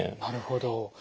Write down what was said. なるほど。